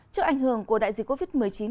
trước ảnh hưởng của đại dịch covid một mươi chín